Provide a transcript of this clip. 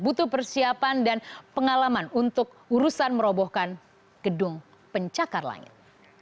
butuh persiapan dan pengalaman untuk urusan merobohkan gedung pencakar langit